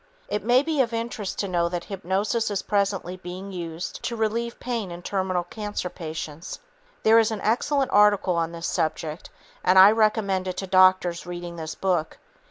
It may be of interest to know that hypnosis is presently being used to relieve pain in terminal cancer patients. There is an excellent article on this subject, and I recommend it to doctors reading this book.